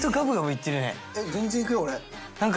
全然行くよ俺。